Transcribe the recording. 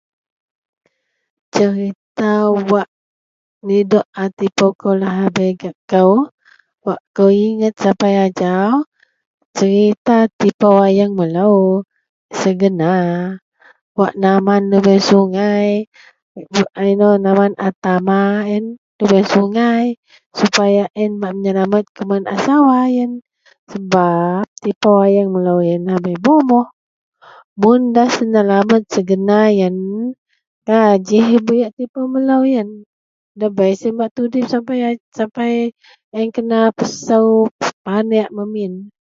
serita wak nidok a tipou kou lahabei gak kou, wak kou ingat sapai ajau, Serita wak tipou ayeng melou se gena, wak naman lubeang Sungai wak inou naman a tama a yen lubeang sungai supaya a ien bak meyelamat kuman a sawa a ien, sebab tipou ayeang melou ien lahabei bomoh, mun da senalamat se gena ien, pajih buyak tipou melou ien, debei siyen bak tudip sapai, sapai a ien kena pesou paneak memin.